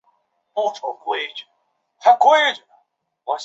阿梅林格豪森是德国下萨克森州的一个市镇。